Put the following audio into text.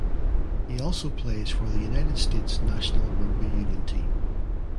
He also plays for the United States national rugby union team.